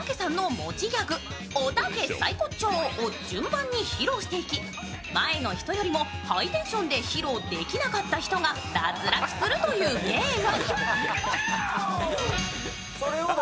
持ちギャグおたけサイコッチョーを順番に披露していき、前の人よりもハイテンションで披露できなかった人が脱落するというゲーム。